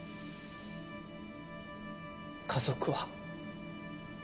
家族は。